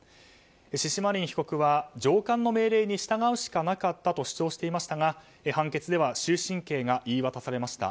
シシマリン被告は上官の命令に従うしかなかったと主張していましたが判決では終身刑が言い渡されました。